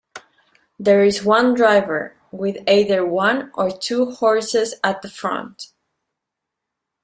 There is one driver, with either one or two horses at the front.